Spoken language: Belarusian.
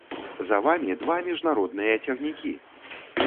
За вамі два міжнародныя цягнікі!